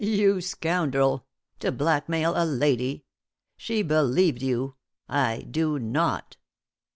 You scoundrel! to blackmail a lady! She believed you I do not.